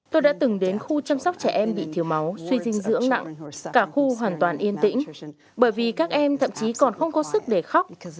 tôi đã từng đến khu chăm sóc trẻ em bị thiếu máu suy dinh dưỡng nặng cả khu hoàn toàn yên tĩnh bởi vì các em thậm chí còn không có sức để khóc